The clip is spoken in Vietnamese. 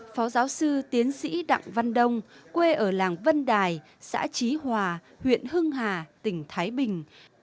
phó giáo sư tiến sĩ đặng văn đông quê ở làng vân đài xã trí hòa huyện hưng hà tỉnh thái bình